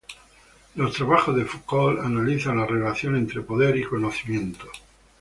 Los trabajos de Foucault analizan la relación entre poder y conocimiento.